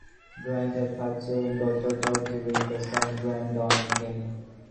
Grant had five children: daughters Dorothy and Reta and sons Graham, Don and Kenny.